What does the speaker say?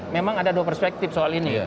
memang ada dua perspektif soal ini